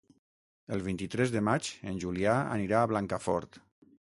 El vint-i-tres de maig en Julià anirà a Blancafort.